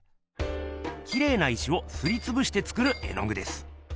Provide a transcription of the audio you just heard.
きれいな石をすりつぶして作る絵のぐです。